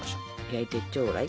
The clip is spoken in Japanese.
焼いてちょうだい。